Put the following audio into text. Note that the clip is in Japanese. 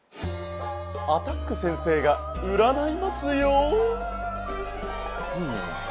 アタック先生がうらないますよ。